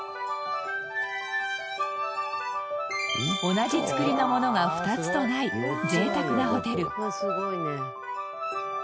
同じ造りのものが２つとない贅沢なホテル。